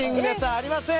ありません。